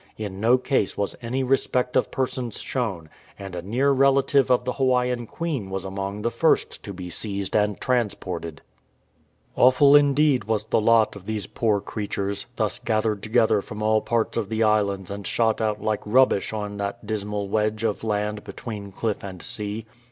In no case was any respect of persons shown, and a near relative of the Hawaiian Queen was among the first to be seized and transported. 301 MOLOKAI AND ITS LEPERS Awful indeed was the lot of these poor creatures, thus gathered together from all parts of the islands and shot out like rubbish on that dismal wedge of land between cliff and sea.